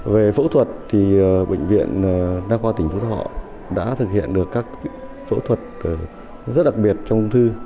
về phẫu thuật thì bệnh viện đa khoa tỉnh phú thọ đã thực hiện được các phẫu thuật rất đặc biệt trong ung thư